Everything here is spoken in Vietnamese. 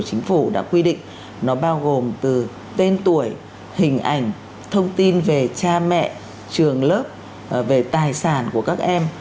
chính phủ đã quy định nó bao gồm từ tên tuổi hình ảnh thông tin về cha mẹ trường lớp về tài sản của các em